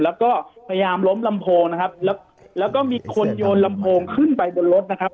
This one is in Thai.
แล้วก็พยายามล้มลำโพงนะครับแล้วก็มีคนโยนลำโพงขึ้นไปบนรถนะครับ